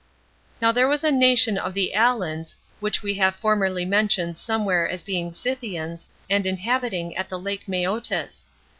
Now there was a nation of the Alans, which we have formerly mentioned some where as being Scythians and inhabiting at the lake Meotis.